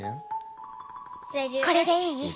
これでいい？